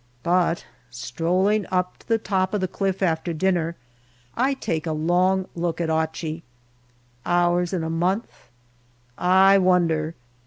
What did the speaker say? But strolling up to the top of the cliff after dinner, I take a long look at Achi. Ours in a month ? I wonder.